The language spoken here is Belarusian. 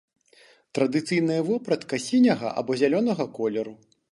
Традыцыйная вопратка сіняга або зялёнага колеру.